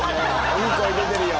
いい声出てるよ。